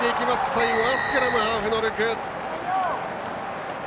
最後はスクラムハーフのルク！